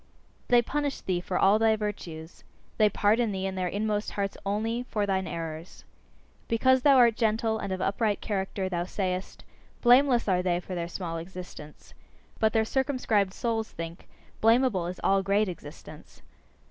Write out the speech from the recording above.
They punish thee for all thy virtues. They pardon thee in their inmost hearts only for thine errors. Because thou art gentle and of upright character, thou sayest: "Blameless are they for their small existence." But their circumscribed souls think: "Blamable is all great existence."